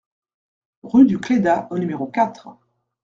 Rue du Clédat au numéro quatre